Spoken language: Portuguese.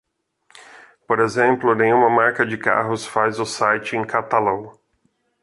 Por exemplo, nenhuma marca de carros faz o site em catalão.